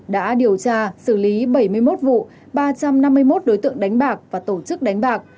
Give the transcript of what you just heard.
đã điều tra xử lý bảy mươi một vụ ba trăm năm mươi một đối tượng đánh bạc và tổ chức đánh bạc